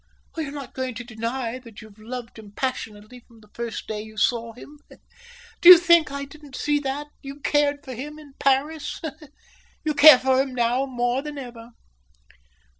"You're not going to deny that you've loved him passionately from the first day you saw him? Do you think I didn't see that you cared for him in Paris? You care for him now more than ever."